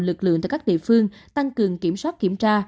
lực lượng tại các địa phương tăng cường kiểm soát kiểm tra